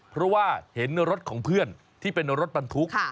เพราะว่าเห็นรถของเพื่อนที่เป็นรถบรรทุก